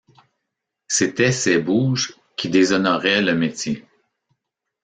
C’étaient ces bouges qui déshonoraient le métier.